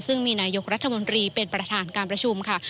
ซึ่งมีนายกรัฐมนตรีเป็นประธานการประชุมค่ะ